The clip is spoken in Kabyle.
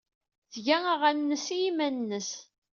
Tga aɣanen-nnes i yiman-nnes.